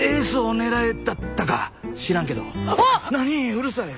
うるさい。